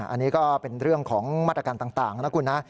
อันนี้ก็เป็นเรื่องของมาตรการต่างนะคุณนะ